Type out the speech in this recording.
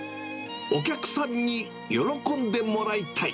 お客さんに喜んでもらいたい。